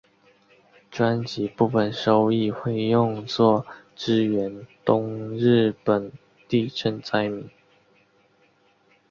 专辑部分收益会用作支援东日本地震灾民。